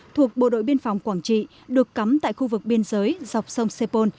thuộc bộ đội biên phòng quảng trị được cắm tại khu vực biên giới dọc sông sepol